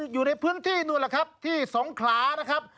อยู่ในพื้นที่นู่นแหละครับที่สงขลานะครับ